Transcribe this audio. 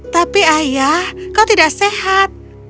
tapi ayah kau tidak sehat